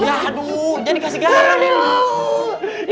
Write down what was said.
aduh jangan dikasih garam